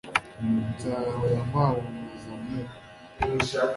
nzahora nkwamamaza mu